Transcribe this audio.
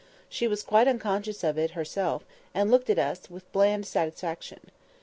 She was quite unconscious of it herself, and looked at us, with bland satisfaction.